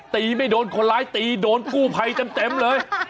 ไม่โดนคนร้ายตีโดนกู้ภัยเต็มเลย